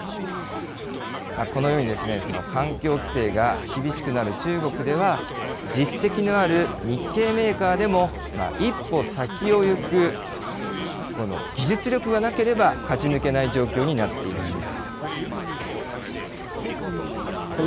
このように、環境規制が厳しくなる中国では、実績のある日系メーカーでも一歩先を行くこの技術力がなければ、勝ち抜けない状況になっているんです。